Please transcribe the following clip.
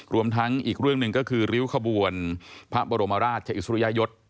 รวมทั้งอีกเรื่องหนึ่งก็คือริ้วขบวนพระบรมราชอิสริยยศ